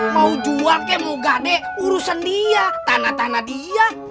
mau jual ke mau gade urusan dia tanah tanah dia